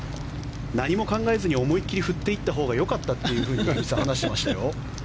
何も考えずに思いっ切り振っていったほうがよかったというふうに話していましたよ。